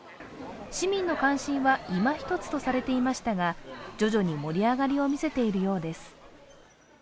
市民の関心は、いま一つとされていましたが、徐々に盛り上がりを見せているようです。